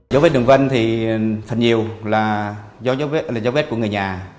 dấu vết đường văn thì thật nhiều là do dấu vết của người nhà